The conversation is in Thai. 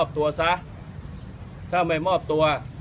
ถ้าไม่มอบตัว